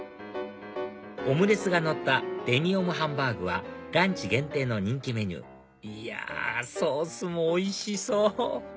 オムレツがのったデミオムハンバーグはランチ限定の人気メニューいやソースもおいしそう！